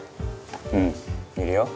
うんいるよ